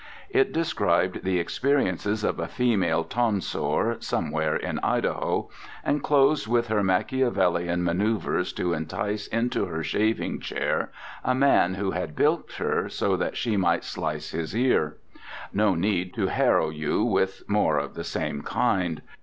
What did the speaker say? It described the experiences of a female tonsor somewhere in Idaho, and closed with her Machiavellian manoeuvres to entice into her shaving chair a man who had bilked her, so that she might slice his ear. No need to harrow you with more of the same kind.